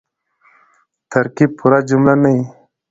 ترکیب پوره جمله نه يي.